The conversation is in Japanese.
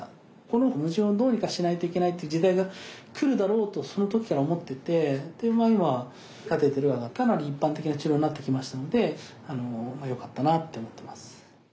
この矛盾をどうにかしないといけないっていう時代がくるだろうとその時から思ってて今カテーテルがかなり一般的な治療になってきましたのでよかったなって思ってます。